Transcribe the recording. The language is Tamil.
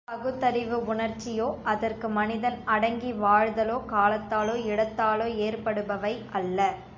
பகுத்தறிவு உணர்ச்சியோ, அதற்கு மனிதன் அடங்கி வாழ்தலோ, காலத்தாலோ, இடத்தாலோ ஏற்படுபவை அல்ல.